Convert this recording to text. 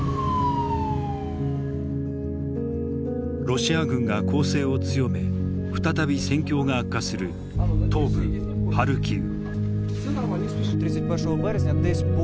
ロシア軍が攻勢を強め再び戦況が悪化する東部ハルキウ。